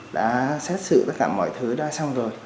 đã xét xử tất cả mọi thứ đã xong rồi